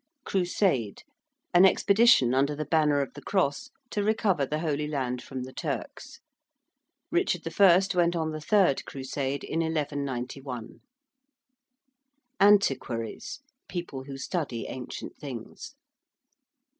~Crusade~: an expedition under the banner of the Cross to recover the Holy Land from the Turks. Richard I. went on the third Crusade in 1191. ~antiquaries~: people who study ancient things.